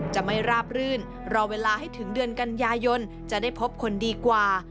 จะไม่ราบรื่นรอเวลาให้ถึงเดือนกันยายนจะได้พบคนดีกว่า